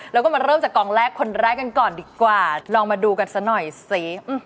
แล้วก็มาเริ่มจากกองแรกคนแรกกันก่อนดีกว่าลองมาดูกันซะหน่อยสิ